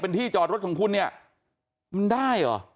เป็นที่จอดรถของคุณเนี่ยมันได้เหรอ